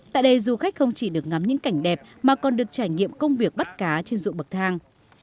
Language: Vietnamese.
tại đây du khách không chỉ được ngắm những cảnh đẹp mà còn được trải nghiệm công việc bắt cá trên dụng bậc thang